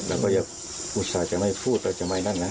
เราก็ยับอุตส่ายจะไม่พูด